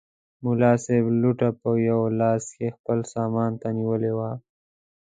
ملا صاحب لوټه په یوه لاس کې خپل سامان ته نیولې وه.